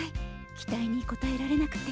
期待に応えられなくて。